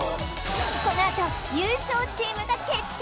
このあと優勝チームが決定！